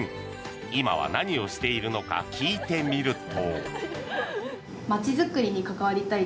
今は何をしているのか聞いてみると。